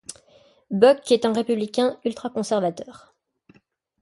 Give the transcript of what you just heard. Buck est un républicain ultraconservateur.